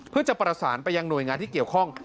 เพื่อจะประสานไปยังหน่วยงานที่เกี่ยวข้อง